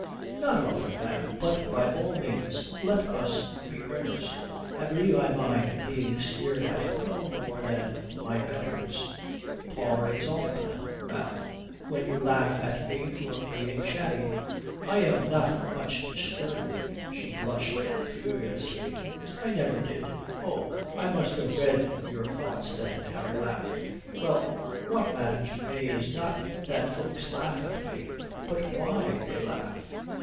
"Not often, ma'am. But by all means let us be earnest. I believe I mind being sneered at no more than my betters. Par exemple, ma'am, when you laugh at me for being shabby, I am not much disturbed." She blushed furiously. "I never did." "Oh, I must have read your thoughts then," Harry laughed. "Well, what matters to me is not that folks laugh at me but why they laugh.